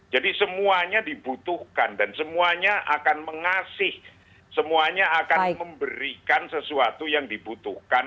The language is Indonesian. jadi semuanya dibutuhkan dan semuanya akan mengasih semuanya akan memberikan sesuatu yang dibutuhkan